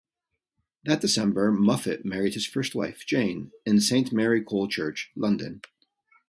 That December, Muffet married his first wife, Jane, in Saint Mary Colechurch, London.